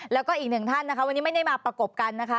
แล้วก็อีกหนึ่งท่านนะคะวันนี้ไม่ได้มาประกบกันนะคะ